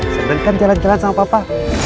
sebentar kan jalan jalan sama papa